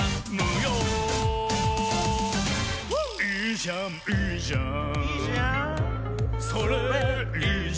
いーじゃん。